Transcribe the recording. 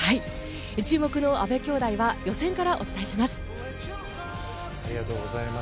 注目の阿部兄妹は予選からお伝えします。